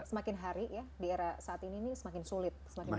semakin hari ya di era saat ini semakin sulit semakin baik